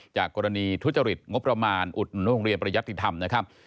จากกรณีทุจริตงบประมาณอุดหนุนโรงเรียนประยัตติธรรมนะครับ